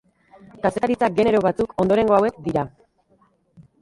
Kazetaritza genero batzuk ondorengo hauek dira.